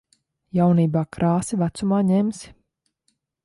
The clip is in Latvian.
Jaunībā krāsi, vecumā ņemsi.